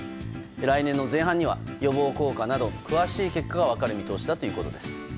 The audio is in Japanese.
来年の前半には予防効果など詳しい結果が分かる見通しだということです。